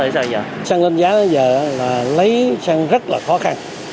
xăng lên giá bây giờ là lấy xăng rất là khó khăn